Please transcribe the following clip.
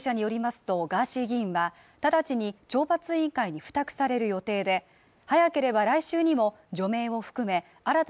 関係者によりますとガーシー議員は衆議院は直ちに懲罰委員会に付託される予定でめ！